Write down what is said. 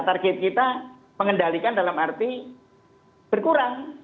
target kita mengendalikan dalam arti berkurang